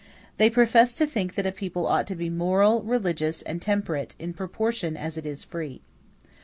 They profess to think that a people ought to be moral, religious, and temperate, in proportion as it is free.